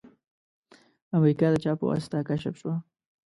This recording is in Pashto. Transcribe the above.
امریکا د چا په واسطه کشف شوه؟